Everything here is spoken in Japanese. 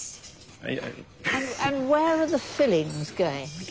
はい！